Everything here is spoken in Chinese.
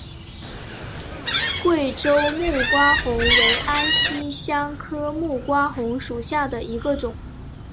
贵州木瓜红为安息香科木瓜红属下的一个种。